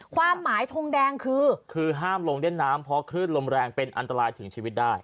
ความหมายทงแดงคือคือห้ามลงเล่นน้ำเพราะคลื่นลมแรงเป็นอันตรายถึงชีวิตได้